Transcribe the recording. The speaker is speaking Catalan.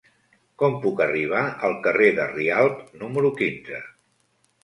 Com puc arribar al carrer de Rialb número quinze?